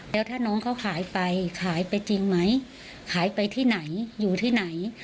แล้วถ้าน้องเขาขายไปขายไปจริงไหมขายไปที่ไหนอยู่ที่ไหน